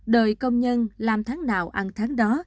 đời công nhân làm tháng nào ăn tháng đó